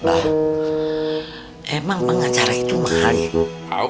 mbak emang pengacara itu mahal ya